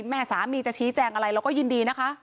แม่สามีจะชี้แจงอะไรเราก็ยินดีนะคะ